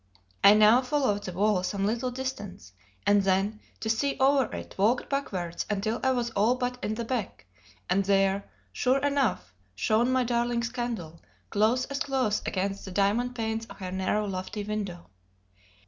I now followed the wall some little distance, and then, to see over it, walked backwards until I was all but in the beck; and there, sure enough, shone my darling's candle, close as close against the diamond panes of her narrow, lofty window!